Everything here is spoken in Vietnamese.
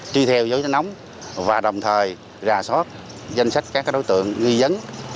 truy theo dấu dấu nóng và đồng thời ra sót danh sách các đối tượng nghi dấn